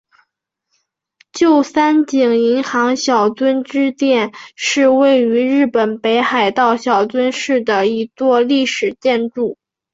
旧三井银行小樽支店是位于日本北海道小樽市的一座历史建筑。